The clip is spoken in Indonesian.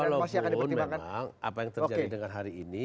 walaupun memang apa yang terjadi dengan hari ini